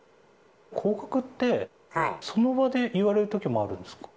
降格って、その場で言われるときもあるんですか。